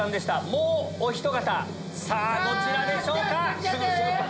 もうおひと方どちらでしょうか？